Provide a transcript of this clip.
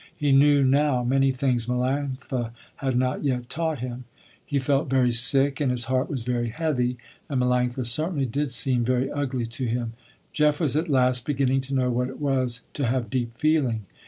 He knew now many things Melanctha had not yet taught him. He felt very sick and his heart was very heavy, and Melanctha certainly did seem very ugly to him. Jeff was at last beginning to know what it was to have deep feeling.